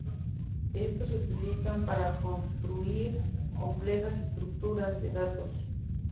Estos se utilizan para construir complejas estructuras de datos.